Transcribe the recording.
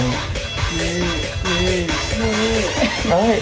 นี่